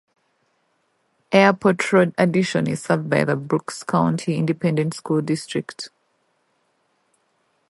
Airport Road Addition is served by the Brooks County Independent School District.